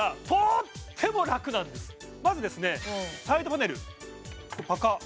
まずですねサイドパネルパカッ